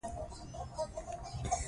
موږ باید دې غږ ته لبیک ووایو.